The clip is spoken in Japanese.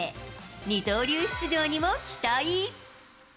二刀流出場にも期待。